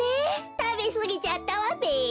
たべすぎちゃったわべ。